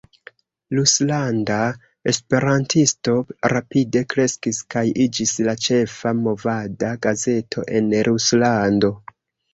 Ruslanda Esperantisto rapide kreskis kaj iĝis la ĉefa movada gazeto en Ruslando.